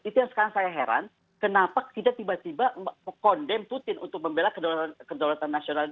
itu yang sekarang saya heran kenapa kita tiba tiba kondem tutin untuk membela kedaulatan nasional